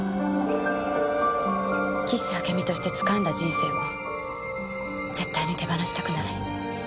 岸あけみとしてつかんだ人生を絶対に手放したくない。